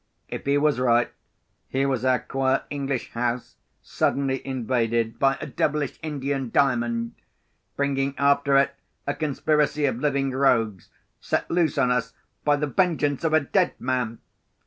If he was right, here was our quiet English house suddenly invaded by a devilish Indian Diamond—bringing after it a conspiracy of living rogues, set loose on us by the vengeance of a dead man.